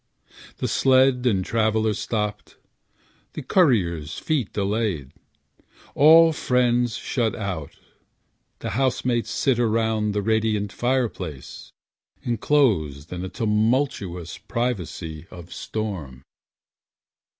The sled and traveller stopped, the courier's feet Delayed, all friends shut out, the housemates sit Around the radiant fireplace, enclosed In a tumultuous privacy of storm.